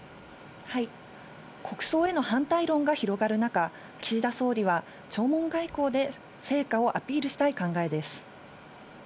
国葬への反対論が広がる中、岸田総理は、弔問外交で成果をアピールしたい考えです。